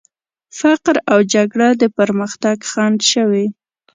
فقر او جګړه د پرمختګ خنډ شوي.